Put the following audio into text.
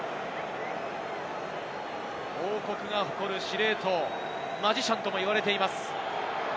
リッチー・モウンガ、王国が誇る司令塔、マジシャンとも言われています。